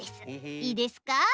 いいですか？